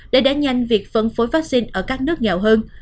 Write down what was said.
để đẩy nhanh việc phân phối vaccine ở các nước nghèo hơn